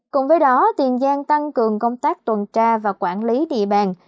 cùng với đó tiền giang tăng cường công tác tuần tra và quản lý địa bàn